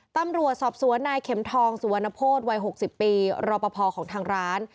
ตำรัวสอบสวนนายเข็มทองสวนโพธย์วัยหกสิบปีรอปภของทางร้าน